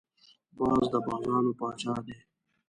باز د بازانو پاچا دی